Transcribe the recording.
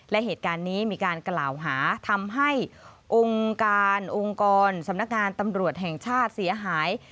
และเหตุการณ์นี้มีการกล่าวหาทำให้องค์การองค์กรสำนักงานตำรวจแห่งชาติเสียหาย